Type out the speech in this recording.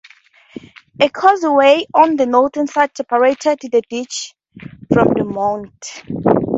A causeway on the northern side separated the ditch from the moat.